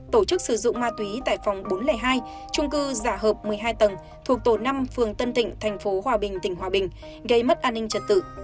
tổ chức sử dụng ma túy tại phòng bốn trăm linh hai trung cư giả hợp một mươi hai tầng thuộc tổ năm phường tân thịnh tp hòa bình tỉnh hòa bình gây mất an ninh trật tự